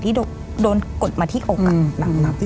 ที่โดนกดมาที่อกอะ